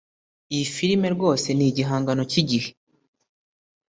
Iyi firime rwose ni igihangano cyigihe.